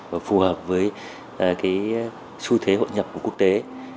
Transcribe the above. và phù hợp với cái xu thế hội nhập của quốc tế